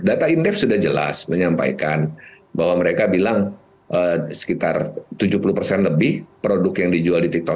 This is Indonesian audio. data indef sudah jelas menyampaikan bahwa mereka bilang sekitar tujuh puluh persen lebih produk yang dijual di tiktok